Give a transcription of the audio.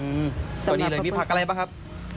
สำหรับข้าวปุ้นเส้นสดตอนนี้มีผักอะไรบ้างครับ